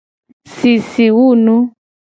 Sisiwunu.